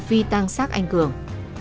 phi tăng sát anh cường